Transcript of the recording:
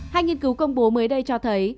hai nghiên cứu công bố mới đây cho thấy